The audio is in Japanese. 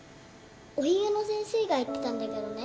おひげの先生が言ってたんだけどね